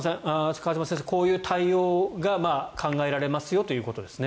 河島先生、こういう対応が考えられますよということですね。